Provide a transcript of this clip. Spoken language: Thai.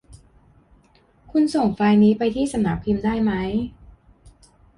คุณส่งไฟล์นี้ไปที่สำนักพิมพ์ได้มั้ย